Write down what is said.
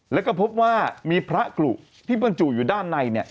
แล้วก็พบว่ามีพระกรุที่บรรจุอยู่ด้านในเนี่ย